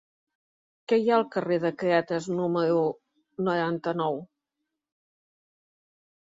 Què hi ha al carrer de Cretes número noranta-nou?